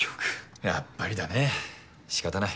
やっぱりだね仕方ない。